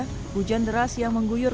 hujan deras yang mengguyur